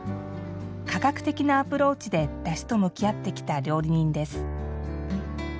科学的なアプローチでだしと向き合ってきた料理人です。